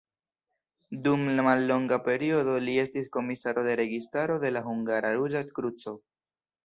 Dum mallonga periodo, li estis komisaro de registaro de la Hungara Ruĝa Kruco.